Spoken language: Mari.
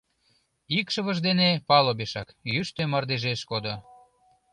Икшывыж дене палубешак, йӱштӧ мардежеш кодо.